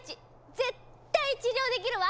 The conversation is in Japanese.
絶対治療できるわ！